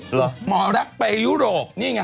เหรอหมอรักไปยุโรปนี่ไง